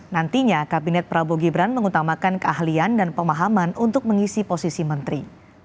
nantinya kabinet prabowo gibran mengutamakan keahlian dan pemahaman untuk mengisi posisi menteri